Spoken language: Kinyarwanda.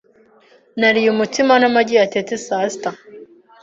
Nariye umutsima n'amagi yatetse saa sita.